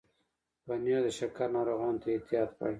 پنېر د شکر ناروغانو ته احتیاط غواړي.